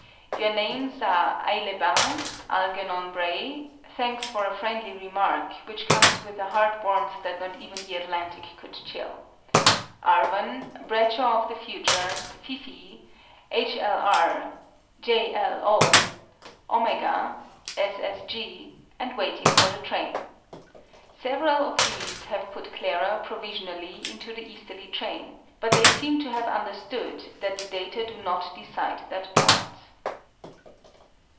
Your names are AIX LES BAINS, ALGERNON BRAY (thanks for a friendly remark, which comes with a heart warmth that not even the Atlantic could chill), ARVON, BRADSHAW OF THE FUTURE, FIFEE, H. L. R., J. L. O., OMEGA, S. S. G., and WAITING FOR THE TRAIN. Several of these have put Clara, provisionally, into the easterly train: but they seem to have understood that the data do not decide that point.